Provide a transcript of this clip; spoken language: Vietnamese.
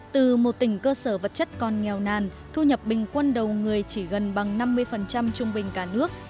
từ một tỉnh cơ sở vật chất còn nghèo nàn thu nhập bình quân đầu người chỉ gần bằng năm mươi trung bình cả nước